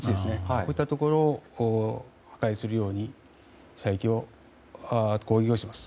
こういったところを破壊するように攻撃をします。